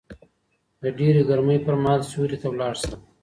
د ډېرې ګرمۍ پر مهال سيوري ته ولاړ شه